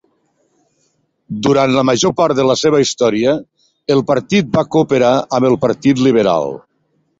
Durant la major part de la seva història, el partit va cooperar amb el Partit Liberal.